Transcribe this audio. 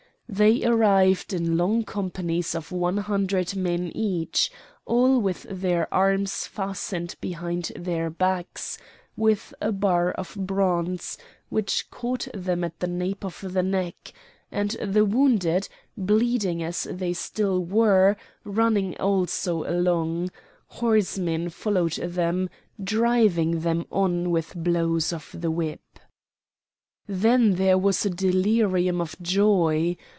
They arrived in long companies of one hundred men each, all with their arms fastened behind their backs with a bar of bronze which caught them at the nape of the neck, and the wounded, bleeding as they still were, running also along; horsemen followed them, driving them on with blows of the whip. Then there was a delirium of joy!